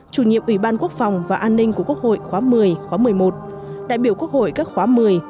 chủ nhiệm ủy ban quốc phòng và an ninh của quốc hội khóa một mươi khóa một mươi một đại biểu quốc hội các khóa một mươi